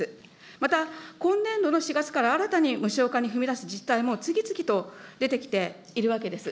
また今年度の４月から新たに無償化に踏み出す自治体も、次々と出てきているわけです。